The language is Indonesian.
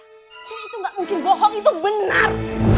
ini itu gak mungkin bohong itu benar